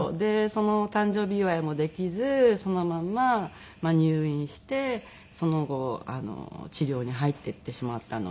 そのお誕生日祝いもできずそのまんま入院してその後治療に入っていってしまったので。